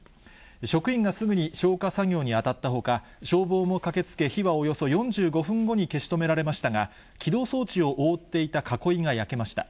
職員がすぐに消火作業に当たったほか、消防も駆けつけ、火はおよそ４５分後に消し止められましたが、起動装置を覆っていた囲いが焼けました。